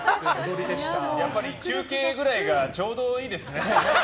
やっぱり中継くらいがちょうどいいですね。